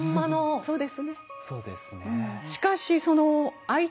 そうです。